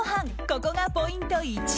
ここがポイント１。